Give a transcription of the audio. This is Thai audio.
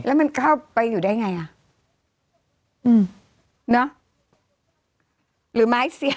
แล้วมันเข้าไปอยู่ได้ไงอ่ะอืมเนอะหรือไม้เสีย